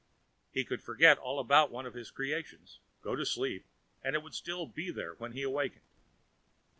He could forget all about one of his creations, go to sleep, and it would still be there when he awakened.